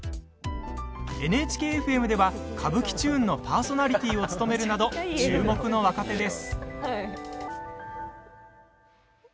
ＮＨＫ−ＦＭでは「ＫＡＢＵＫＩＴＵＮＥ」のパーソナリティーを務めるなど注目の若手です。